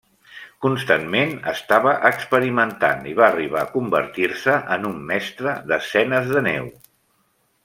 Constantment estava experimentant i va arribar a convertir-se en un mestre d'escenes de neu.